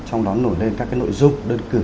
trong đó nổi lên các nội dung đơn cử